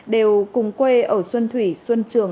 đều cùng quê ở xuân thủy xuân trường